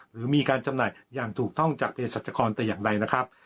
หรือมีการจำหน่ายอย่างถูกต้องจากเพศรัชกรแต่อย่างใดนะครับ